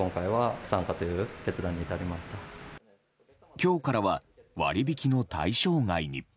今日からは割り引きの対象外に。